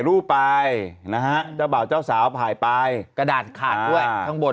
รูปไปนะฮะเจ้าบ่าวเจ้าสาวถ่ายไปกระดาษขาดด้วยข้างบน